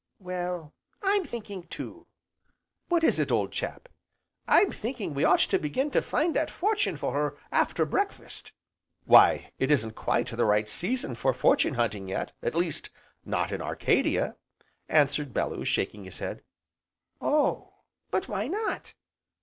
"Well, I'm thinking too." "What is it, old chap?" "I'm thinking we ought to begin to find that fortune for her after breakfast." "Why, it isn't quite the right season for fortune hunting, yet at least, not in Arcadia," answered Bellew, shaking his head. "Oh! but why not?"